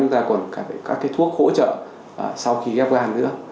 chúng ta còn phải có các thuốc hỗ trợ sau khi ghép gan nữa